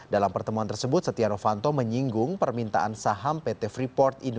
dalam pertemuan tersebut setia novanto menyinggung permintaan saham pt freeport indonesia